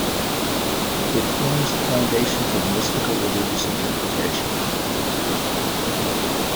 It forms the foundations of mystical religious interpretation.